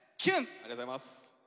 ありがとうございます。